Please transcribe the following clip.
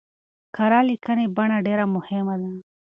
کره ليکنۍ بڼه ډېره مهمه ده.